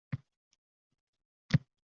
! Shu pulga qancha sigareta keladi?